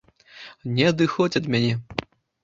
Не адыходзь ад мяне.